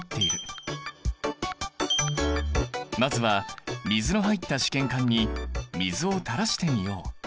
まずは水の入った試験管に水をたらしてみよう。